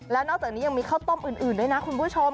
แล้วนอกจากนี้ยังมีข้าวต้มอื่นด้วยนะคุณผู้ชม